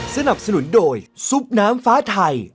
สนับสนุนโดยซุปน้ำฟ้าไทย